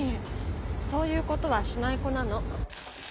そういうことはしない子なの。